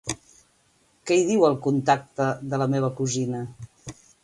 Què hi diu al contacte de la meva cosina?